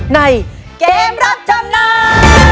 ในเกมรอดจำนอด